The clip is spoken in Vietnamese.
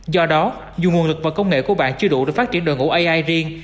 do đó dù nguồn lực và công nghệ của bạn chưa đủ để phát triển đội ngũ ai riêng